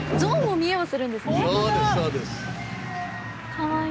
かわいい。